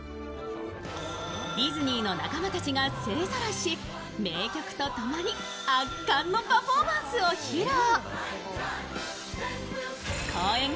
ディズニーの仲間たちが勢ぞろいし名曲とともに圧巻のパフォーマンスを披露。